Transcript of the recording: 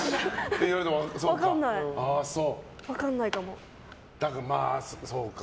分かんないかも。